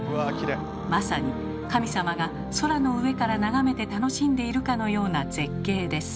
まさに神様が空の上から眺めて楽しんでいるかのような絶景です。